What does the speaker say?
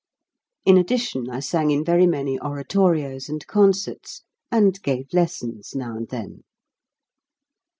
In addition I sang in very many oratorios and concerts, and gave lessons now and then.